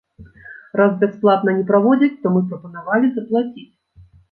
Раз бясплатна не праводзяць, то мы прапанавалі заплаціць.